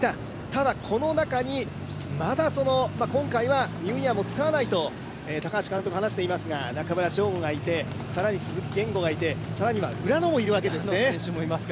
ただ、この中に、今回はニューイヤーも使わないと高橋監督は話していますが、中村奨吾がいて、鈴木健吾がいて、更には浦野もいるわけですね。